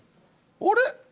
あれ？